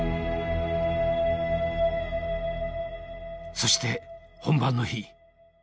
そして本番の日。